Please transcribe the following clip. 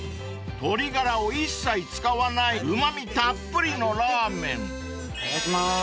［鶏ガラを一切使わないうま味たっぷりのラーメン］いただきます。